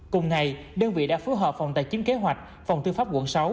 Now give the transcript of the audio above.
cùng ngày đơn vị đã phối hợp phòng tài chính kế hoạch phòng tư pháp quận sáu